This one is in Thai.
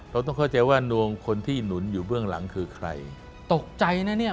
เราต้องเข้าใจว่าดวงคนที่หนุนอยู่เบื้องหลังคือใครตกใจนะเนี่ย